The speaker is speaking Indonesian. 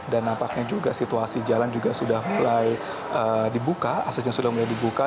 dan nampaknya juga situasi jalan juga sudah mulai dibuka asasnya sudah mulai dibuka